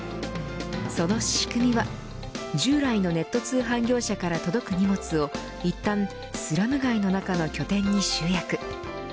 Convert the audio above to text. その仕組みは従来のネット通販業者から届く荷物をいったんスラム街の中の拠点に集約。